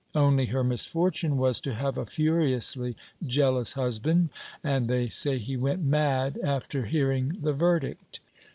Only her misfortune was to have a furiously jealous husband, and they say he went mad after hearing the verdict.